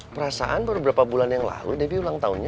perasaan baru beberapa bulan yang lalu debbie ulang tahunnya